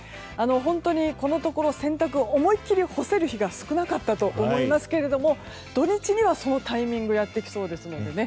本当にこのところ洗濯思い切り干せる日が少なかったと思いますが土日にはそのタイミングがやってきそうですのでね